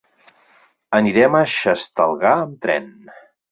Anirem a Xestalgar amb tren.